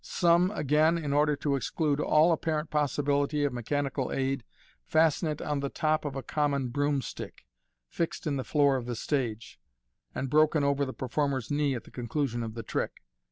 Some, again, in order to exclude all apparent possibility of mechanical aid, fasten it on the top of a common broomstick, fixed in the floor of the stage, and broken over the performer's knee at the conclusion of the trick.